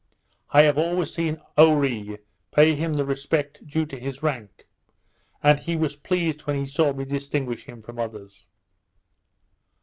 I have always seen Oree pay him the respect due to his rank; and he was pleased when he saw me distinguish him from others.